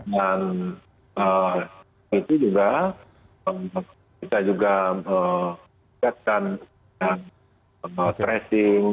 dan itu juga kita juga menyiapkan tracing